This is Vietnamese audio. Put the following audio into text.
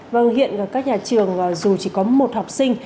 vâng hiện các nhà trường dù chỉ có một học sinh